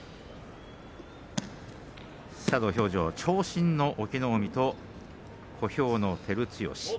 土俵上、長身の隠岐の海と小兵の照強。